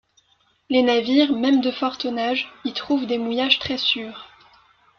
Les navires, même de fort tonnage, y trouvent des mouillages très sûrs.